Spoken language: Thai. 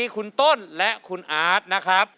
คุณต้นและคุณอาร์ตนะครับ